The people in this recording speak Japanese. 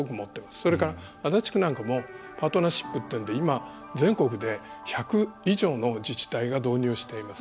それから、足立区なんかもパートナーシップというので全国で１５０以上の自治体が導入しています。